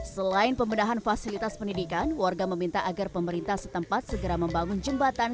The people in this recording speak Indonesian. selain pembedahan fasilitas pendidikan warga meminta agar pemerintah setempat segera membangun jembatan